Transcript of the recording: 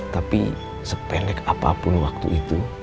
tapi sependek apapun waktu itu